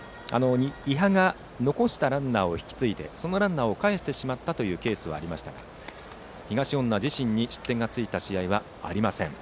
伊波が残したランナーを引き継ぎそのランナーをかえしてしまったというケースはありましたが東恩納自身に失点がついた試合はありません。